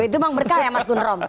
itu memang berkah ya mas gunter romli